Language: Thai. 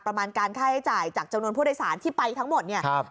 ประมาณการค่าใช้จ่ายจากจำนวนผู้โดยสารที่ไปทั้งหมดเนี่ย